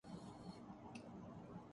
lecture کے بات تھورے سے لوگوں نے تالیاں بجائی